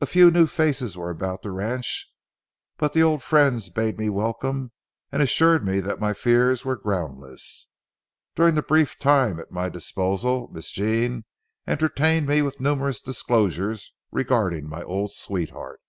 A few new faces were about the ranch, but the old friends bade me a welcome and assured me that my fears were groundless. During the brief time at my disposal, Miss Jean entertained me with numerous disclosures regarding my old sweetheart.